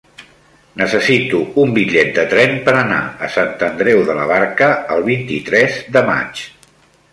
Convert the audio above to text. Necessito un bitllet de tren per anar a Sant Andreu de la Barca el vint-i-tres de maig.